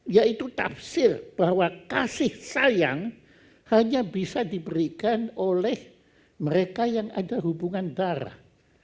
yaitu tafsir bahwa kasih sayang hanya bisa diberikan oleh mereka yang ada hubungan darah